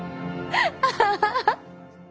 アハハハ。